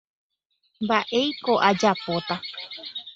mba'éiko ajapóta